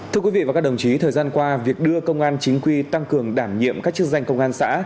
thưa quý vị và các đồng chí thời gian qua việc đưa công an chính quy tăng cường đảm nhiệm các chức danh công an xã